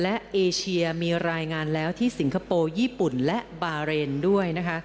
และเอเชียมีรายงานแล้วที่สิงคโปร์ญี่ปุ่นและบาเรนด้วยนะคะ